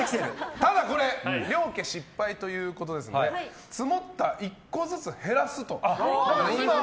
ただこれ、両家失敗ということですのでツモった１個ずつ減らすと。